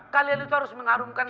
kalian itu harus mengharumkan